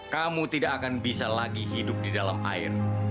kamu tidak akan bisa lagi hidup di dalam air